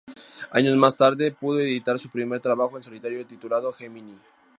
Años más tarde pudo editar su primer trabajo en solitario titulado "Gemini".